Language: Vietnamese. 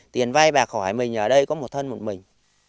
tiền vay bà khỏi mình ở đây có một thân một mình